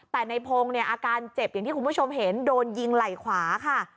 แต่ในพงศ์เนี่ยอาการเจ็บอย่างที่คุณผู้ชมเห็นโดนยิงไหล่ขวาค่ะ